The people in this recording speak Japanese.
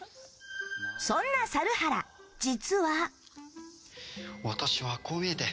そんな猿原、実は。